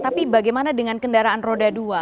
tapi bagaimana dengan kendaraan roda dua